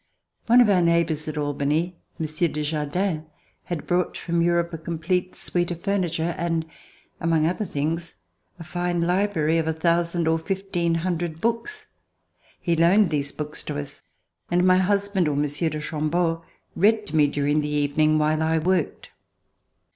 One of our neighbors at Albany, Monsieur De jardin, had brought from Europe a complete suite of furniture, and, among other things, a fine library of a thousand or fifteen hundred books. He loaned these books to us, and my husband or Monsieur de Cham beau read to me during the evening, while I worked.